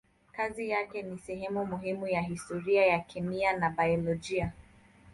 Kazi yake ni sehemu muhimu ya historia ya kemia na biolojia.